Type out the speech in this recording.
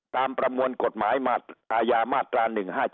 ประมวลกฎหมายอาญามาตรา๑๕๗